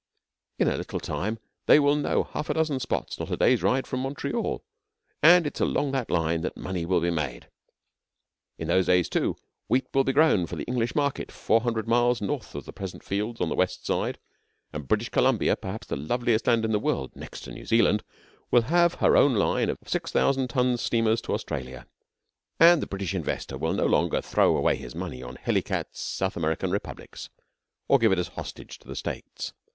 In a little time they will know half a dozen spots not a day's ride from Montreal, and it is along that line that money will be made. In those days, too, wheat will be grown for the English market four hundred miles north of the present fields on the west side; and British Columbia, perhaps the loveliest land in the world next to New Zealand, will have her own line of six thousand ton steamers to Australia, and the British investor will no longer throw away his money on hellicat South American republics, or give it as a hostage to the States.